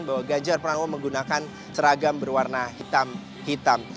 bahwa ganjar pernah menggunakan seragam berwarna hitam hitam